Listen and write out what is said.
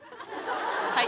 はい。